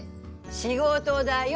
仕事だよ。